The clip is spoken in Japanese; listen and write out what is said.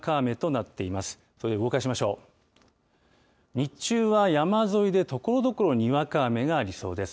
日中は山沿いで、ところどころにわか雨がありそうです。